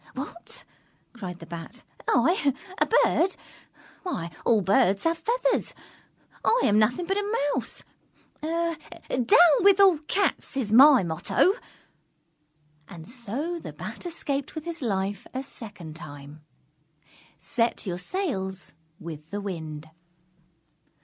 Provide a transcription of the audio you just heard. "What," cried the Bat, "I, a Bird! Why, all Birds have feathers! I am nothing but a Mouse. 'Down with all Cats,' is my motto!" And so the Bat escaped with his life a second time. _Set your sails with the wind.